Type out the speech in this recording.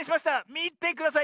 みてください